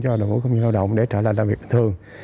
cho đồng ngũ công nhân lao động để trở lại làm việc bình thường